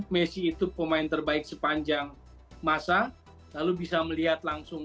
messi itu pemain terbaik sepanjang masa lalu bisa melihat langsung